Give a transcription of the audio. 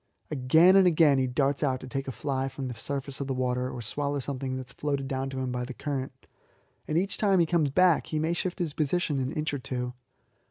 Again and again he darts out to take a fly from the surface of the water or swallow something that is floated down to him by the current, and each time that he comes back he may shift his position an inch or two.